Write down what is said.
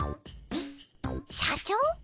えっ社長？